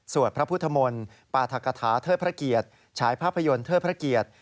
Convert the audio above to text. พระพุทธมนต์ปราธกฐาเทิดพระเกียรติฉายภาพยนตร์เทิดพระเกียรติ